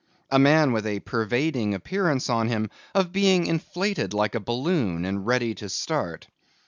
A man with a pervading appearance on him of being inflated like a balloon, and ready to start.